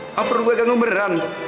apa perlu gue ganggu beneran